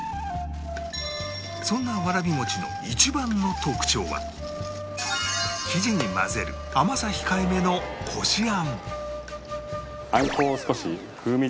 そんなわらび餅の生地に混ぜる甘さ控えめのこしあん